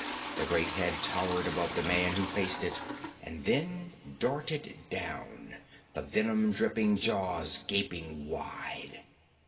The great head towered above the man who faced it, and then darted down, the venom dripping jaws gaping wide.